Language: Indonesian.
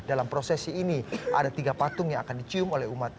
dalam prosesi ini ada tiga patung yang akan dicium oleh umat